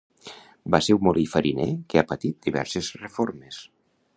Va ser un molí fariner que ha patit diverses reformes.